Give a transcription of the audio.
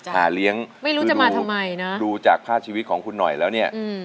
หาเลี้ยงดูจากผ้าชีวิตของคุณหน่อยแล้วเนี่ย